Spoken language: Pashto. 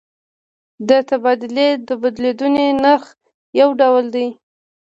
د تبادلې بدلیدونکی نرخ یو ډول دی.